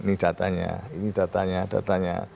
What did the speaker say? ini datanya ini datanya datanya